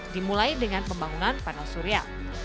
dimulai dengan pembangunan panel surya